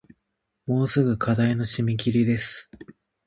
もうすぐ課題の締切です